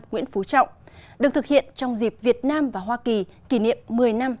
nguyễn phú trọng được thực hiện trong dịp việt nam và hoa kỳ kỷ niệm một mươi năm